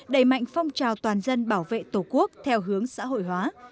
đẩy mạnh phong trào toàn dân bảo vệ tổ quốc theo hướng xã hội hóa